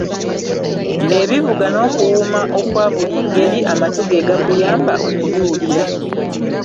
Ebivuga n'okuwuuma okwa buli ngeri, amatu ge gakuyamba okubiwulira.